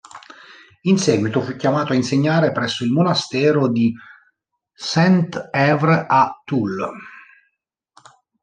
In seguito fu chiamato a insegnare presso il monastero di Saint-Èvre a Toul.